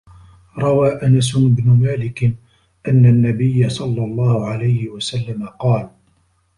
رَوَى أَنَسُ بْنُ مَالِكٍ أَنَّ النَّبِيَّ صَلَّى اللَّهُ عَلَيْهِ وَسَلَّمَ قَالَ